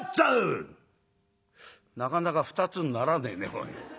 「なかなか二つにならねえねおい。